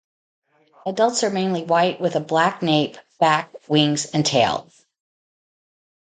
Adults are mainly white with a black nape, back, wings and tail.